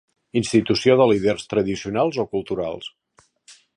Institució de líders tradicionals o culturals.